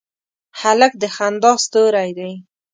هلک د خندا ستوری دی.